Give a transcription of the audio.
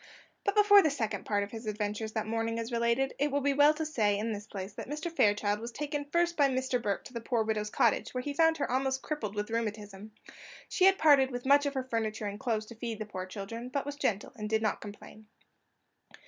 But before the second part of his adventures that morning is related, it will be as well to say, in this place, that Mr. Fairchild was taken first by Mr. Burke to the poor widow's cottage, where he found her almost crippled with rheumatism. She had parted with much of her furniture and clothes to feed the poor children, but was gentle and did not complain.